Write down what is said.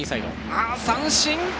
三振！